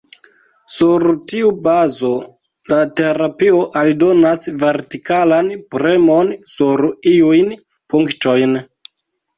Sur tiu bazo la terapio aldonas vertikalan premon sur iujn punktojn.